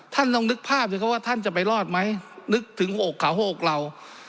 ท่านลองนึกภาพสิครับว่าท่านจะไปรอดไหมนึกถึง๖เขา๖เรา